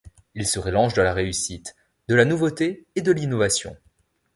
Il serait l'ange de la réussite, de la nouveauté et de l'innovation.